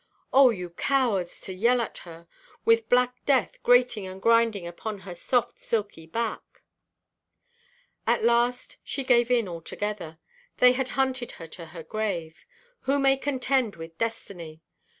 Oh, you cowards, to yell at her! with black death grating and grinding upon her soft silky back! At last, she gave in altogether. They had hunted her to her grave. Who may contend with destiny?